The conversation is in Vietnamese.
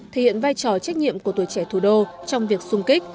thể hiện vai trò trách nhiệm của tuổi trẻ thủ đô trong việc sung kích